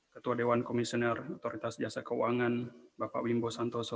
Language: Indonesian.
ketua dewan komisioner otoritas jasa keuangan bapak wimbo santoso